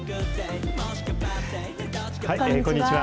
こんにちは。